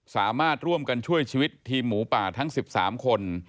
สามารถร่วมกันช่วยชีวิตทีมหมูป่าทั้ง๑๓คน